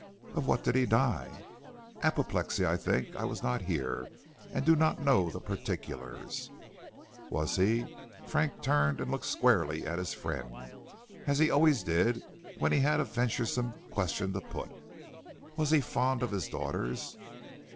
"Of what did he die?" "Apoplexy, I think; I was not here, so do not know the particulars." "Was he " Frank turned and looked squarely at his friend, as he always did when he had a venturesome question to put "was he fond of his daughters?"